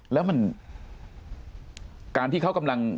แล้วมันการที่เขากำลัง